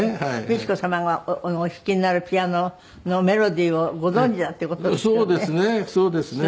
美智子さまがお弾きになるピアノのメロディーをご存じだっていう事ですよね。